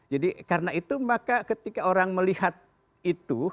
jadi karena itu maka ketika orang melihat itu